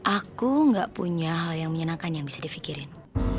aku gak punya hal yang menyenangkan yang bisa difikirin